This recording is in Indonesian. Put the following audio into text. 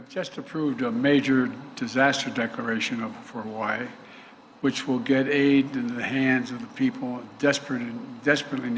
jika ada yang hilang orang yang hilang orang yang berumur yang telah dibakar atau dibakar